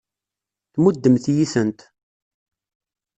Tmuddemt-iyi-tent.